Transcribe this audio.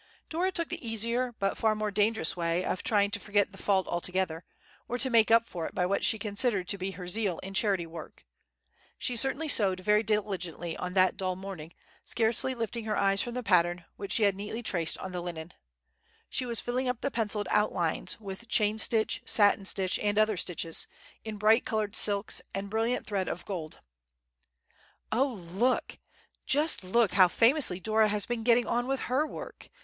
Dora took the easier, but far more dangerous way, of trying to forget the fault altogether, or to make up for it by what she considered to be her zeal in charity work. She certainly sewed very diligently on that dull morning, scarcely lifting her eyes from the pattern which she had neatly traced on the linen. She was filling up the pencilled outlines with chain stitch, satin stitch, and other stitches, in bright colored silks and a brilliant thread of gold. "Oh, look!—just look how famously Dora has been getting on with her work!"